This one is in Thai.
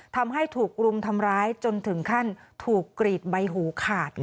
ทำให้ถูกรุมทำร้ายจนถึงขั้นถูกกรีดใบหูขาด